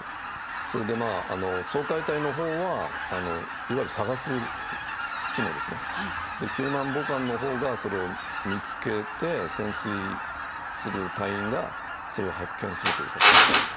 それで掃海隊のほうは、いわゆる捜す機能ですね、救難母艦のほうがそれを見つけて、潜水する隊員が、それを発見するという形なんです。